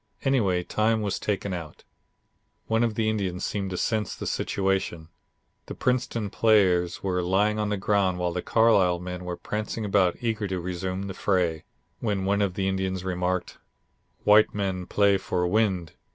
Anyway, time was taken out. One of the Indians seemed to sense the situation. The Princeton players were lying on the ground while the Carlisle men were prancing about eager to resume the fray, when one of the Indians remarked: "White man play for wind.